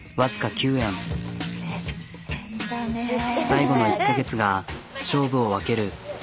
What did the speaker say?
最後の１カ月が勝負を分ける。